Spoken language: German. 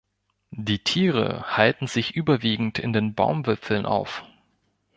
Die Tiere halten sich überwiegend in den Baumwipfeln auf.